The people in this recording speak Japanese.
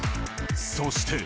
そして。